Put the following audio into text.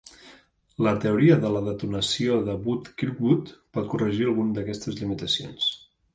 La teoria de la detonació de Wood-Kirkwood pot corregir algunes d'aquestes limitacions.